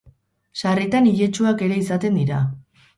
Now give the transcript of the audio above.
Sarritan iletsuak ere izaten dira.